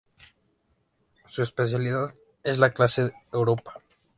Su especialidad es la clase Europa.